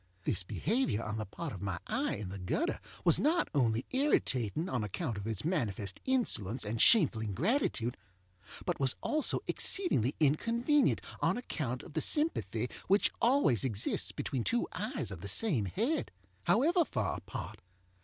This behavior on the part of my eye in the gutter was not only irritating on account of its manifest insolence and shameful ingratitude, but was also exceedingly inconvenient on account of the sympathy which always exists between two eyes of the same head, however far apart.